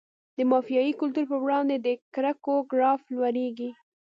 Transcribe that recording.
د مافیایي کلتور په وړاندې د کرکو ګراف لوړیږي.